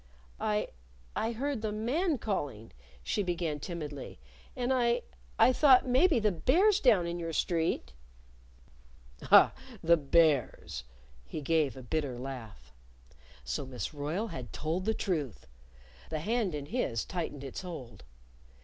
"I I heard the man calling," she began timidly. "And I I thought maybe the bears down in your street " "Ah, the bears!" He gave a bitter laugh. So Miss Royle had told the truth! The hand in his tightened its hold.